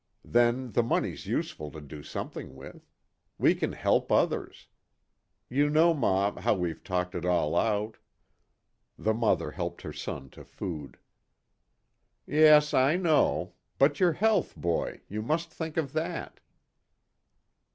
Then the money's useful to do something with. We can help others. You know, ma, how we've talked it all out." The mother helped her son to food. "Yes, I know. But your health, boy, you must think of that."